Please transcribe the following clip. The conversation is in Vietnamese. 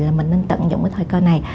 là mình nên tận dụng cái thời cơ này